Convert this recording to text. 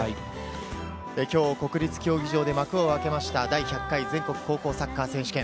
今日、国立競技場で幕を開けた第１００回全国高校サッカー選手権。